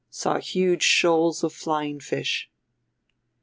Saw huge shoals of flying fish."